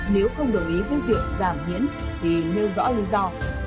nếu không đồng ý với việc giảm miễn thì nêu rõ lý do